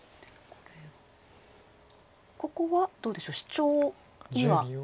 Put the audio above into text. ここはどうでしょうシチョウには。